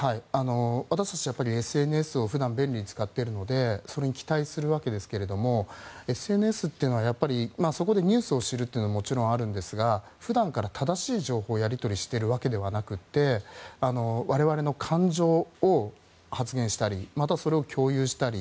私たちはＳＮＳを普段使っているのでそれに期待するわけですけどＳＮＳというのはそこでニュースを知るというのはもちろんあるんですが普段から正しい情報をやり取りしてるわけではなくて我々の感情を発言したりまた、それを共有したり。